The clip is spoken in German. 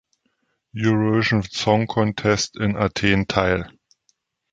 Eurovision Song Contest in Athen teil.